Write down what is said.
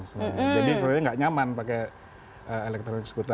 jadi sebenarnya enggak nyaman pakai e scooter